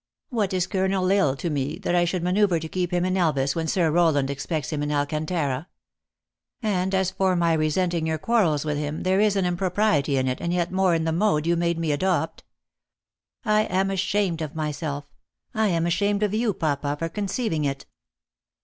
What is Colonel L Isle to me, that I should manoeuvre to keep him in Elvas, when Sir Rowland Hill expects him in Alcantara ? And as for my re senting your quarrels with him, there is an impro priety in it, and yet more in the mode you made me adopt. I am ashamed of myself I am ashamed of you, papa, for conceiving it."